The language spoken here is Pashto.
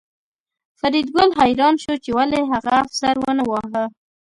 فریدګل حیران شو چې ولې هغه افسر ونه واهه